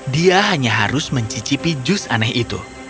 dia hanya harus mencicipi jus aneh itu